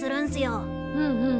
うんうん。